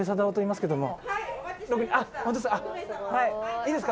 「いいですか？